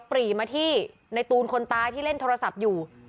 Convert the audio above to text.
ปรีมาที่ในตูนคนตายที่เล่นโทรศัพท์อยู่